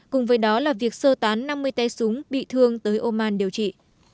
cùng với đó là việc sơ tán năm mươi tay súng bị thương tới oman điều trị